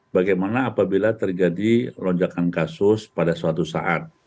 bagaimana apabila terjadi lonjakan kasus pada suatu saat